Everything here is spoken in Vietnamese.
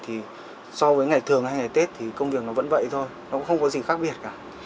thì so với ngày thường hay ngày tết thì công việc nó vẫn vậy thôi nó cũng không có gì khác biệt cả